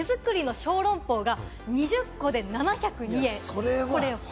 手作りの小籠包が２０個で７０２円。